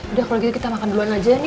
udah kalau gitu kita makan duluan aja nih